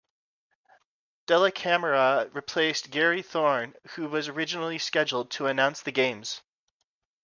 Dellacamera replaced Gary Thorne, who was originally scheduled to announce the games.